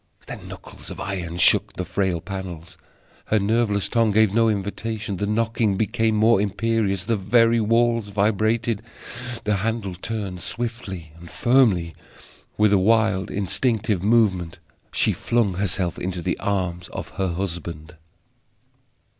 Then knuckles of iron shook the frail panels. Her nerveless tongue gave no invitation. The knocking became more imperious; the very walls vibrated. The handle turned, swiftly and firmly. With a wild instinctive movement she flung herself into the arms of her husband.